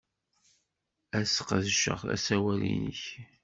Ad sqedceɣ asawal-nnek.